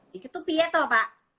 dikit tuh piet loh pak